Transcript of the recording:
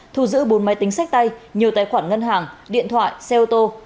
thu giữ bốn máy tính sách tay nhiều tài khoản ngân hàng điện thoại xe ô tô